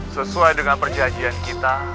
sesuai dengan perjanjian kita